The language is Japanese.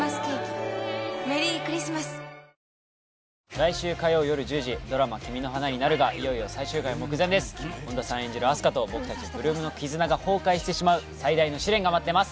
来週火曜よる１０時ドラマ「君の花になる」がいよいよ最終回目前です本田さん演じるあす花と僕たち８ＬＯＯＭの絆が崩壊してしまう最大の試練が待ってます